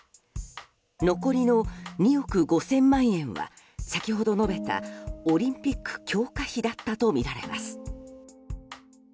残りの２億５０００万円は先ほど述べたオリンピック強化費だったとみられます。